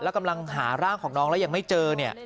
แล้วกำลังหาร่างของน้องแล้วยังไม่เจอเนี่ย